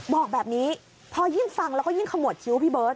บอกแบบนี้พอยิ่งฟังแล้วก็ยิ่งขมวดคิ้วพี่เบิร์ต